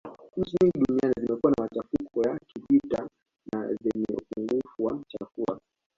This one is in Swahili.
Nchi nyingi duniani zimekuwa na machafuko ya kivita na zenye upungufu wa chakula